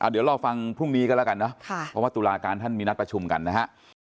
เดี๋ยวรอฟังพรุ่งนี้ก็แล้วกันเนอะเพราะว่าตุลาการท่านมีนัดประชุมกันนะฮะ